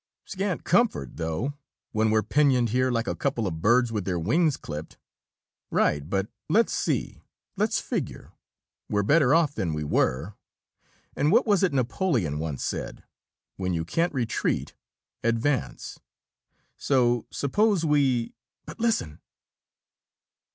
"Scant comfort, though, when we're pinioned here like a couple of birds with their wings clipped." "Right; but let's see. Let's figure. We're better off than we were. And what was it Napoleon once said: 'When you can't retreat, advance.' So suppose we " "But listen!"